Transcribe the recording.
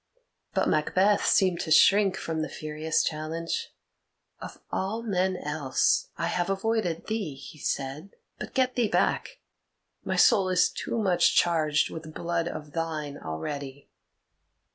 But Macbeth seemed to shrink from the furious challenge. "Of all men else I have avoided thee," he said. "But get thee back; my soul is too much charged with blood of thine already."